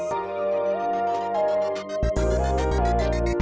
walaupun yang sama